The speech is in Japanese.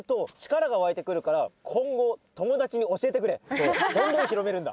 そうどんどん広めるんだ。